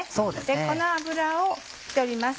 この脂を拭き取ります。